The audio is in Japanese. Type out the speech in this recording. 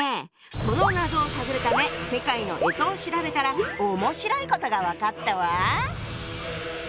その謎を探るため世界の干支を調べたら面白いことが分かったわ！